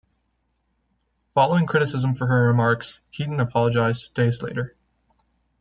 Following criticism for her remarks, Heaton apologized days later.